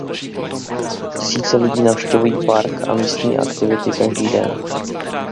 Tisíce lidí navštěvují park a místní aktivity každý den.